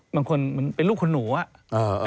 มันควรมันเป็นลูกคุณหนูอ่ะ